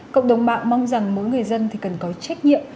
cộng đồng mạng mong rằng mỗi người dân thì cần có trách nhiệm